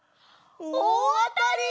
おおあたり！